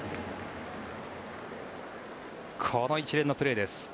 この一連のプレーです。